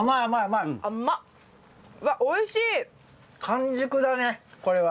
完熟だねこれは。